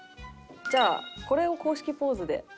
じゃあこれを公式ポーズで。